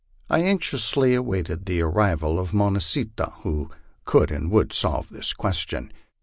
I anxiously awaited the arrival of Mo nah see tah, who could and would solve this question.